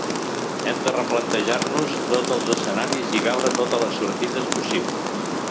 Hem de replantejar-nos tots els escenaris i veure totes les sortides possibles.